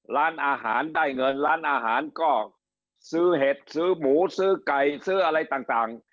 ร้านอาหารได้เงินร้านอาหารก็ซื้อเห็ดซื้อหมูซื้อไก่ซื้ออะไรต่าง